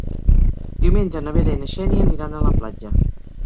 Diumenge na Vera i na Xènia aniran a la platja.